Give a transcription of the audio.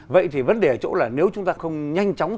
vậy thì vấn đề ở chỗ là nếu chúng ta không nhanh chóng